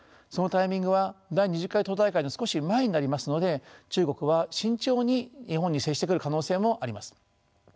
そのタイミングは第２０回党大会の少し前になりますので中国は慎重に日本に接してくる可能性もあります。